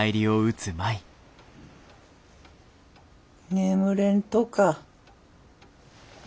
眠れんとか。